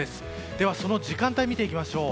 ではその時間帯を見ていきましょう。